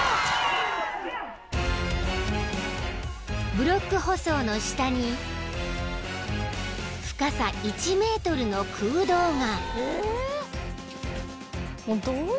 ［ブロック舗装の下に深さ１ｍの空洞が］